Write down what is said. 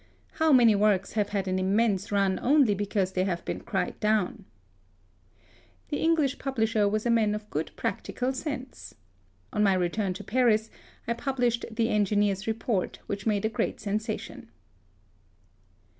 How many works have had an immense run only because they have been cried down 1 " The English publisher was a man of good practical sense. On my return to Paris, I published the engineers' report, which made a great sensation.